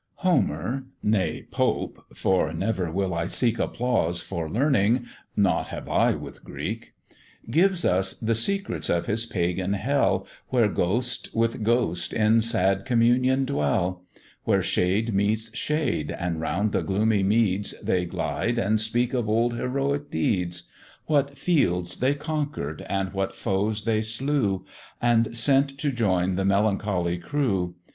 "Homer! nay Pope! (for never will I seek Applause for learning nought have I with Greek) Gives us the secrets of his pagan hell, Where ghost with ghost in sad communion dwell; Where shade meets shade, and round the gloomy meads They glide, and speak of old heroic deeds, What fields they conquer'd, and what foes they slew, And sent to join the melancholy crew.